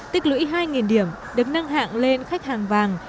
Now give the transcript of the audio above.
tích lũy hai điểm được nâng hạng lên khách hàng vàng